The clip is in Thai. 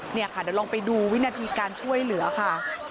เดี๋ยวลองไปดูวินาทีการช่วยเหลือค่ะ